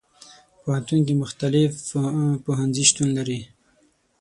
پوهنتون کې مختلف پوهنځي شتون لري.